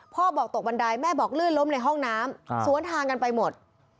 บอกตกบันไดแม่บอกลื่นล้มในห้องน้ำสวนทางกันไปหมด